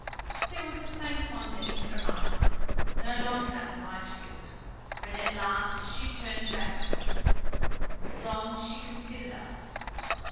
There was a faint wonder in her eyes, no longer light filled, when at last she turned back to us. Long she considered us.